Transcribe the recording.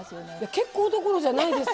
結構どころじゃないです。